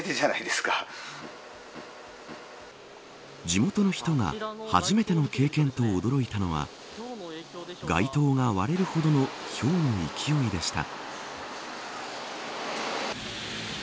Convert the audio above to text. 地元の人が初めての経験と驚いたのは該当が割れるほどのひょうの勢いでした。